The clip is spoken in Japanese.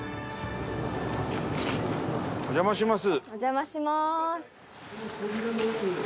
お邪魔します。